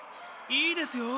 いいですよ。